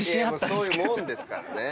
そういうもんですからね。